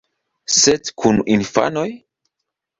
Sed kun infanoj?